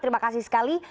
terima kasih sekali